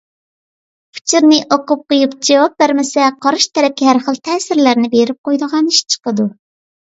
ئۇچۇرنى ئوقۇپ قويۇپ جاۋاب بەرمىسە، قارشى تەرەپكە ھەر خىل تەسىرلەرنى بېرىپ قويىدىغان ئىش چىقىدۇ.